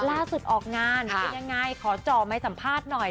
ออกงานเป็นยังไงขอจ่อไม้สัมภาษณ์หน่อย